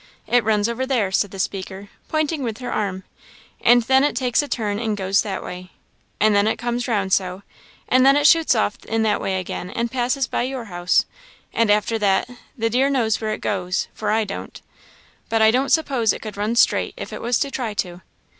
It runs over there," said the speaker, pointing with her arm, "and then it takes a turn and goes that way, and then it comes round so, and then it shoots off in that way again and passes by your house; and after that, the dear knows where it goes, for I don't. But I don't suppose it could run straight, if it was to try to."